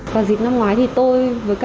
vào dịp năm ngoái thì tôi với các bạn